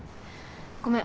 ごめん。